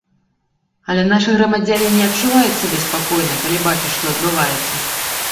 Але нашы грамадзяне не адчуваюць сябе спакойна, калі бачаць, што адбываецца.